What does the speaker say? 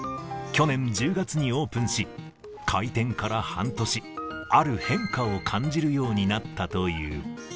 去年１０月にオープンし、開店から半年、ある変化を感じるようになったという。